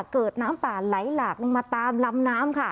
เกิดน้ำป่าไหลหลากลงมาตามลำน้ำค่ะ